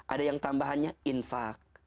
ada yang tambahannya infaq